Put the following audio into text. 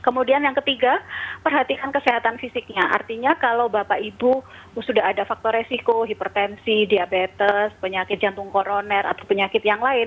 kemudian yang ketiga perhatikan kesehatan fisiknya artinya kalau bapak ibu sudah ada faktor resiko hipertensi diabetes penyakit jantung koroner atau penyakit yang lain